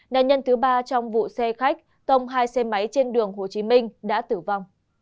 nạn nhân thứ ba trong vụ xe khách tông hai xe máy trên đường hồ chí minh đã tử vong